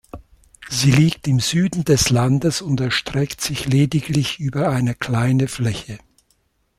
Sie liegt im Süden des Landes und erstreckt sich lediglich über eine kleine Fläche.